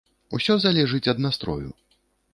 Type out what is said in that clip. Усё залежыць ад настрою.